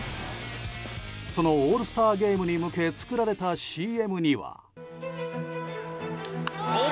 そのオールスターゲームに向け作られたＣＭには。